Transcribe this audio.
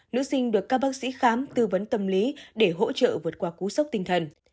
nữ sinh được các bác sĩ khám tư vấn tâm lý để hỗ trợ vượt qua cú sốc tinh thần